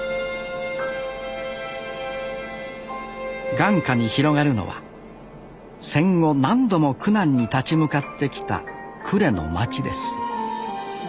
眼下に広がるのは戦後何度も苦難に立ち向かってきた呉の街です